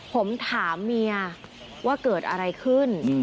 ผมถามเมียว่าเกิดอะไรขึ้น